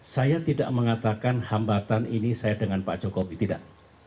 saya tidak mengatakan hambatan ini saya dengan pak jokowi tidak